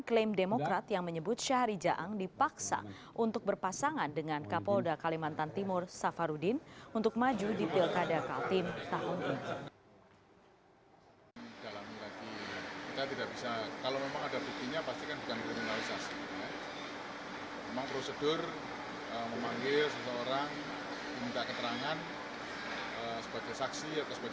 klaim demokrat yang menyebut syahri jaang dipaksa untuk berpasangan dengan kapolda kalimantan timur safarudin untuk maju di pilkada kalimantan timur tahun ini